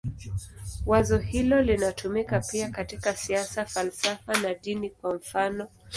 Wazo hilo linatumika pia katika siasa, falsafa na dini, kwa mfanof.